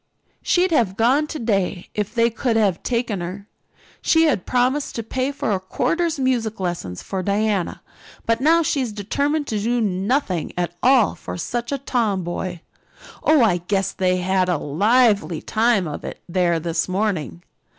She'd have gone today if they could have taken her. She had promised to pay for a quarter's music lessons for Diana, but now she is determined to do nothing at all for such a tomboy. Oh, I guess they had a lively time of it there this morning.